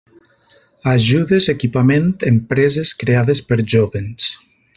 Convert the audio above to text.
Ajudes equipament empreses creades per jóvens.